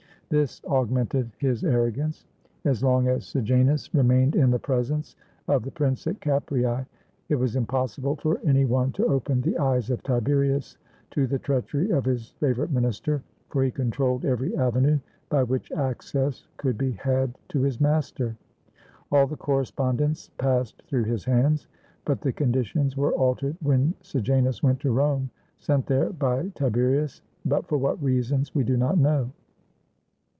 This augmented his arrogance. As long as Sejanus 419 i ROME remained in the presence of the Prince at Capreae, it was impossible for any one to open the eyes of Tiberius to the treachery of his favorite minister, for he controlled every avenue by which access could be had to his master. All the correspondence passed through his hands. But the conditions were altered when Sejanus went to Rome, sent there by Tiberius, but for what reasons we do not know.